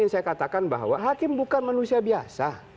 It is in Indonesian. saya katakan bahwa hakim bukan manusia biasa